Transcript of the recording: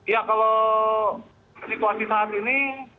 ya kalau situasi saat ini